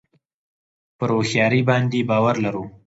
پر هوښیاري باندې باور لرو.